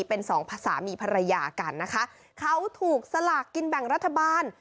เป็นสองสามีภรรยากันนะคะเขาถูกสลากกินแบ่งรัฐบาล